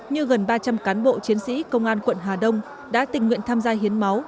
như gần ba trăm linh cán bộ chiến sĩ công an quận hà đông đã tình nguyện tham gia hiến máu